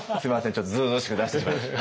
ちょっとずうずうしく出してしまいました。